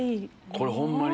これホンマに。